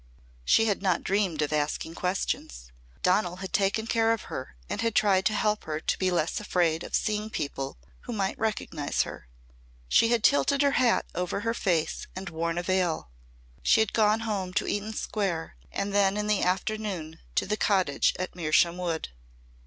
She had not dreamed of asking questions. Donal had taken care of her and tried to help her to be less afraid of seeing people who might recognise her. She had tilted her hat over her face and worn a veil. She had gone home to Eaton Square and then in the afternoon to the cottage at Mersham Wood.